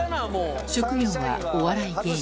職業はお笑い芸人。